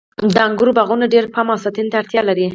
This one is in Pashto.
د انګورو باغونه ډیر پام او ساتنې ته اړتیا لري.